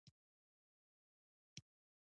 نا بشپړ لکه لیکم به او لیکو به مثالونه دي.